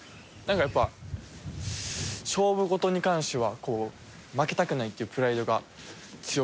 勝負事に関しては負けたくないっていうプライドが強くて。